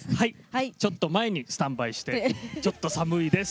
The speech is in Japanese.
ちょっと前にスタンバイしてちょっと寒いです。